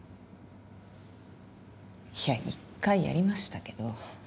いや１回やりましたけど。